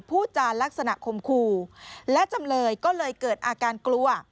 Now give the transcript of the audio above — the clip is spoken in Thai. พูดจานลักษณะคมคู่และจำเลยก็เลยเกิดอาการกลัว